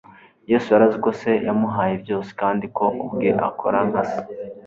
Yesu yari azi ko Se yamuhaye byose, kandi ko we ubwe akora nka Se